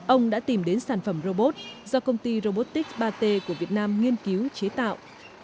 ông đã tìm đến sản phẩm robot do công ty robotics ba t của việt nam nghiên cứu chế tạo